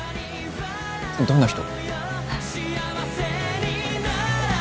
どんな人？